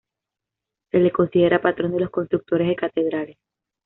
Se le considera patrón de los constructores de catedrales.